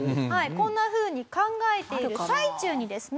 こんなふうに考えている最中にですね